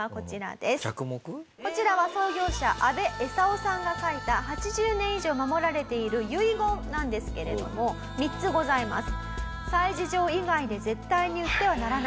こちらは創業者阿部恵三男さんが書いた８０年以上守られている遺言なんですけれども３つございます。